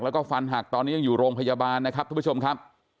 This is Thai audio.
แล้วก็ฟันหักตอนนี้ยังอยู่โรงพยาบาลนะครับทุกผู้ชมครับ